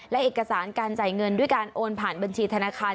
และเอกสารการจ่ายเงินด้วยการโอนผ่านบัญชีธนาคาร